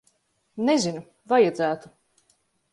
Nezinu. Vajadzētu.